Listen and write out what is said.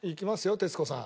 徹子さん。